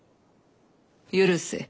許せ。